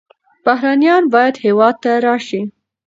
بهرنیان باید هېواد ته راشي.